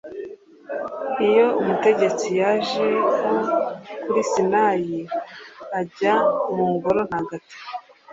Ni yo Umutegetsi yajeho kuri Sinayi ajya mu Ngoro ntagatifu